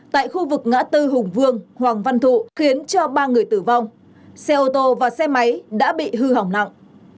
tại khu vực ngã tư hùng vương hoàng văn thụ khiến cho ba người tử vong xe ô tô và xe máy đã bị hư hỏng nặng